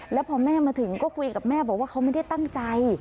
แล้วพอแม่มาถึงก็คุยกับแม่บอกว่าเขาไม่ได้ตั้งใจ